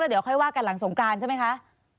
เดี๋ยวค่อยว่ากันหลังสงกรานใช่ไหมคะ